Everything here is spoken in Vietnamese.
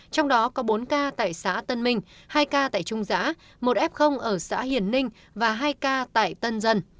trong đó có bốn k tại xã tân minh hai k tại trung giã một f ở xã hiển ninh và hai k tại tân dân